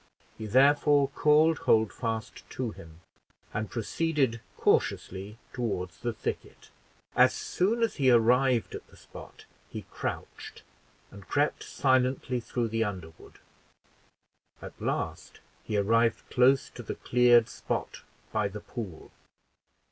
He therefore called Holdfast to him, and proceeded cautiously toward the thicket. As soon as he arrived at the spot, he crouched and crept silently through the underwood. At last he arrived close to the cleared spot by the pool.